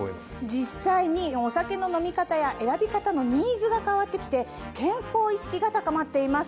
実際にお酒の飲み方や選び方のニーズが変わって来て健康意識が高まっています。